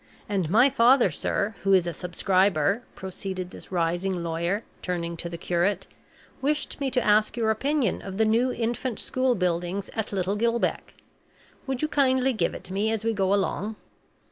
And my father, sir, who is a subscriber," proceeded this rising lawyer, turning to the curate, "wished me to ask your opinion of the new Infant School buildings at Little Gill Beck. Would you kindly give it me as we go along?"